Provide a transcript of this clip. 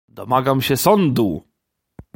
Domagam się sądu!